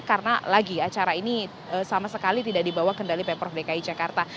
karena lagi acara ini sama sekali tidak dibawah kendali pemprov dki jakarta